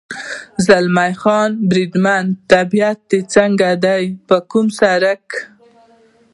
زلمی خان: بریدمنه، طبیعت دې څنګه دی؟ پر کوم سړک.